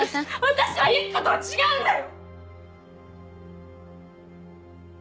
私はユキコとは違うんだよ！